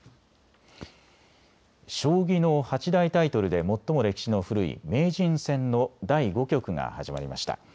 将棋の八大タイトルで最も歴史の古い名人戦の第５局が始まりました。